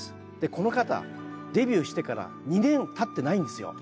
この方デビューしてから２年たってないんですよ。